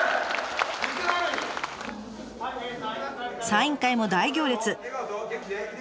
サイン会も大行列。